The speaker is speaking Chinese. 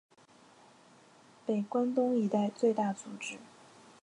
北关东一带最大组织。